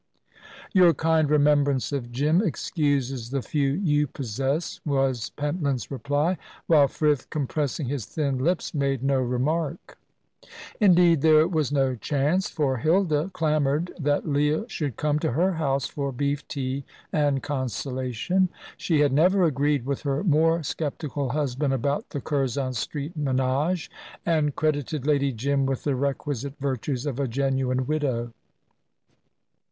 "Your kind remembrance of Jim excuses the few you possess," was Pentland's reply; while Frith, compressing his thin lips, made no remark. Indeed, there was no chance, for Hilda clamoured that Leah should come to her house for beef tea and consolation. She had never agreed with her more sceptical husband about the Curzon Street menage, and credited Lady Jim with the requisite virtues of a genuine widow.